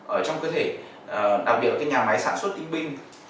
ở trong cơ thể đặc biệt cái nhà máy sản xuất in binh